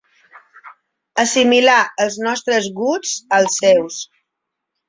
Assimilar els nostres gusts als seus.